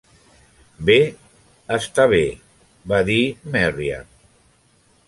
"Bé, està bé", va dir Merriam.